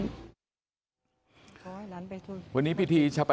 แม่กลาฮั่ว